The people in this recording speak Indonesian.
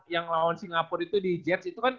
yang lawan singapura itu di jets itu kan